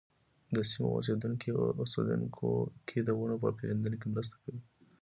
د سیمو اوسېدونکي د ونو په پېژندنه کې مرسته کوي.